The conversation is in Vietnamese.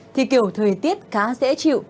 thì kiểu thời tiết khá dễ chịu